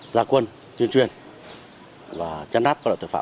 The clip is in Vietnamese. gia quân tuyên truyền và chăn đáp các loại tội phạm